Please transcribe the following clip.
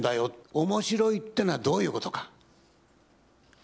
おもしろいってのはどういうことか。